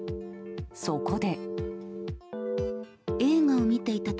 そこで。